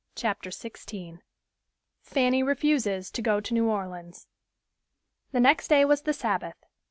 CHAPTER XVI FANNY REFUSES TO GO TO NEW ORLEANS The next day was the Sabbath.